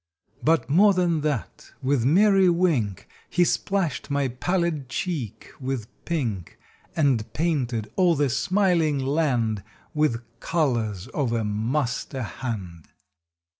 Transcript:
But more than that, with merry wink He splashed my pallid cheek with pink, And painted all the smiling land With colors of a Master hand!